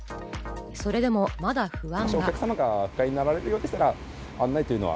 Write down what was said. それでもまだ不安が。